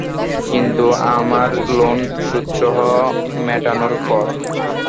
কিন্তু আমার লোন সুদসহ মেটানোর পর।